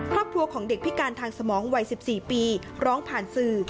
ครอบครัวของเด็กพิการทางสมองวัย๑๔ปีร้องผ่านสื่อ